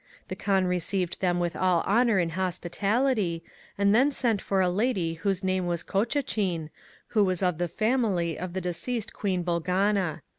The Kaan received them with all honour and hospitality, and then sent for a lady whose name was Cocachin, who was of the family of the deceased Oueen Boloana.